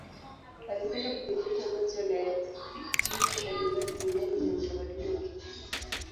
Alipenda kujifunza masuala ya dini mbalimbali duniani na utamaduni wa Kiafrika.